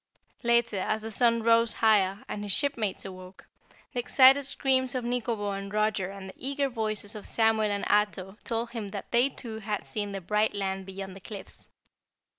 Later, as the sun rose higher, and his shipmates awoke, the excited screams of Nikobo and Roger and the eager voices of Samuel and Ato told him that they too had seen the bright land beyond the cliffs.